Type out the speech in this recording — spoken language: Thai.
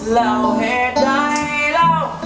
แล้วเหตุไหนแล้ว